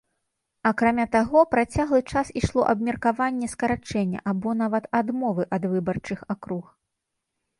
Акрамя таго, працяглы час ішло абмеркаванне скарачэння або нават адмовы ад выбарчых акруг.